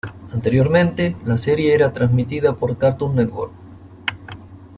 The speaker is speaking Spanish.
Anteriormente, la serie era transmitida por Cartoon Network.